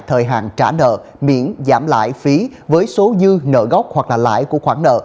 thời hạn trả nợ miễn giảm lãi phí với số dư nợ gốc hoặc là lãi của khoản nợ